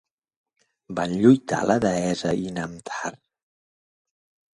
Van lluitar la deessa i Namtar?